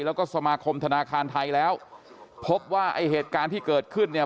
แล้วก็สมาคมธนาคารไทยแล้วพบว่าไอ้เหตุการณ์ที่เกิดขึ้นเนี่ย